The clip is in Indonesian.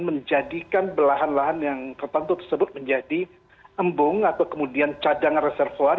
menjadikan belahan lahan yang tertentu tersebut menjadi embung atau kemudian cadangan reservoir